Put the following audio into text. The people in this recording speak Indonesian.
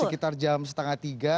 sekitar jam setengah tiga